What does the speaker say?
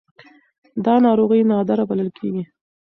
دا ناروغي نادره بلل کېږي.